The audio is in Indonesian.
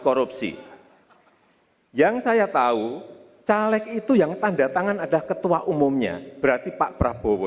korupsi yang saya tahu caleg itu yang tanda tangan ada ketua umumnya berarti pak prabowo